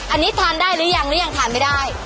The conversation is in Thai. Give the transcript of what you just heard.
อันนี้ทานได้หรือยังหรือยังทานไม่ได้